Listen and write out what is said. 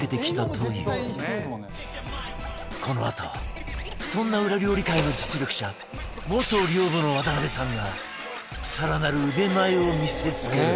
このあとそんな裏料理界の実力者元寮母の渡邊さんが更なる腕前を見せ付ける